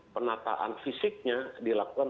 penataan fisiknya dilakukan